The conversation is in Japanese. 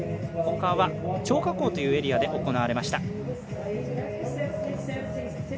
他は張家口というエリアで行われました。